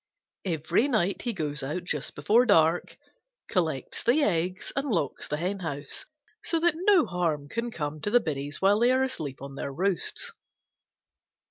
Every night he goes out just before dark, collects the eggs and locks the henhouse so that no harm can come to the biddies while they are asleep on their roosts.